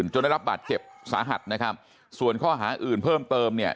จนได้รับบาดเจ็บสาหัสนะครับส่วนข้อหาอื่นเพิ่มเติมเนี่ย